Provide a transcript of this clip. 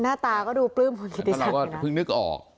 หน้าตาก็ดูปลื้มคุณกิติศักดิ์เพราะว่าเพิ่งนึกออก